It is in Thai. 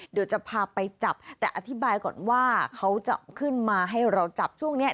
เดี๋ยวจะพาไปจับแต่อธิบายก่อนว่าเขาจะขึ้นมาให้เราจับช่วงนี้